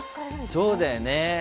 そうだよね。